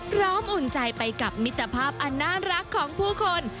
อุ่นใจไปกับมิตรภาพอันน่ารักของผู้คน